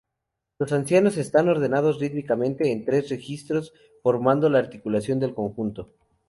Los ancianos están ordenados rítmicamente en tres registros, formando la articulación del conjunto.